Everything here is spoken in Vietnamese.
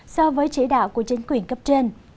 so với chỉ đạo của chính quyền cấp trên